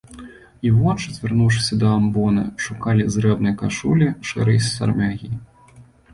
І вочы, звярнуўшыся да амбоны, шукалі зрэбнай кашулі, шэрай сярмягі.